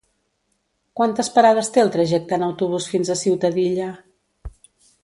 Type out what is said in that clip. Quantes parades té el trajecte en autobús fins a Ciutadilla?